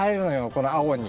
この青に。